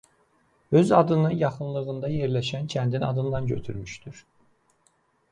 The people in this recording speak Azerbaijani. Öz adını yaxınlığında yerləşən kəndin adından götürmüşdür.